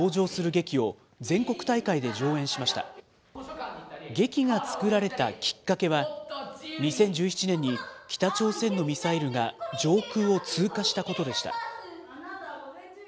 劇が作られたきっかけは、２０１７年に北朝鮮のミサイルが上空を通過したことでした。